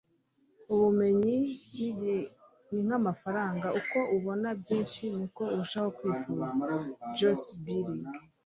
ubumenyi ni nk'amafaranga uko abona byinshi, niko arushaho kwifuza. - josh billings